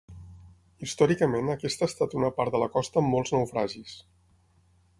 Històricament aquesta ha estat una part de la costa amb molts naufragis.